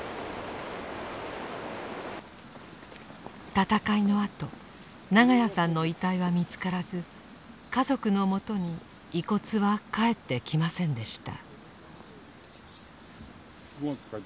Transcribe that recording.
戦いのあと長屋さんの遺体は見つからず家族のもとに遺骨は還ってきませんでした。